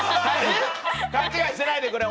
勘違いしないでくれ。